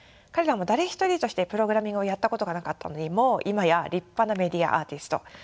彼らも誰一人としてプログラミングをやったことがなかったのにもう今や立派なメディアアーティスト。